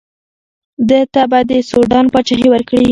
ده ته به د سوډان پاچهي ورکړي.